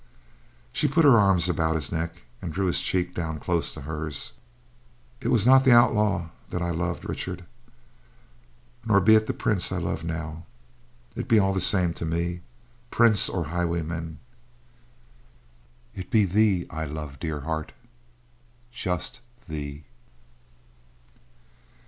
She put her arms about his neck, and drew his cheek down close to hers. "It was not the outlaw that I loved, Richard, nor be it the prince I love now; it be all the same to me, prince or highwayman—it be thee I love, dear heart—just thee."